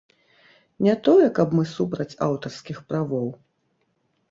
Не тое, каб мы супраць аўтарскіх правоў.